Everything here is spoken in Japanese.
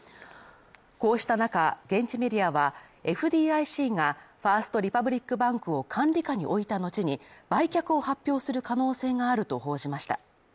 こうした中、現地メディアはＦＤＩＣがファースト・リパブリック・バンクを管理下に置いた後に売却を発表する可能性があると報じました。